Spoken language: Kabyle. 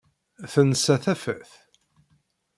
Tensa tafat.